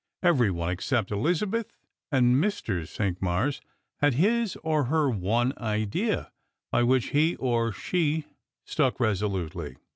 Every one, except Elizabeth and Mr. Cinqmars, had his or her one idea, by which he or she stuck resolutely.